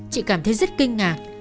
chị cảm thấy rất kinh ngạc